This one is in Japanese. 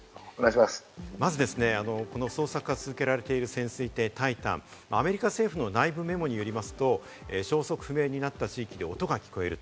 まずですね、この捜索が続けられている潜水艇タイタン、アメリカ政府の内部メモによりますと、消息不明になった地域で音が聞こえる。